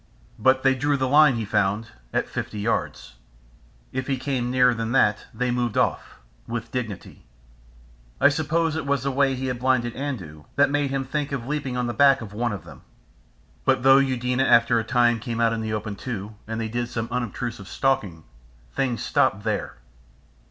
But they drew the line, he found, at fifty yards. If he came nearer than that they moved off with dignity. I suppose it was the way he had blinded Andoo that made him think of leaping on the back of one of them. But though Eudena after a time came out in the open too, and they did some unobtrusive stalking, things stopped there.